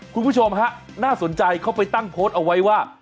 คุณผู้ชมฮะน่าสนใจเขาไปตั้งโพสต์เอาไว้ว่า